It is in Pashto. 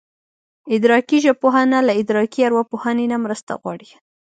ادراکي ژبپوهنه له ادراکي ارواپوهنې نه مرسته غواړي